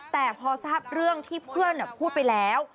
แต่พอทราบเรื่องที่เพื่อนพูดไปแล้ว